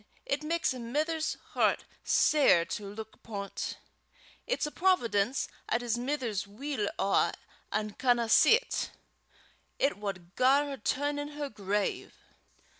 it maks a mither's hert sair to luik upo' 't. It's a providence 'at his mither's weel awa an' canna see 't; it wad gar her turn in her grave."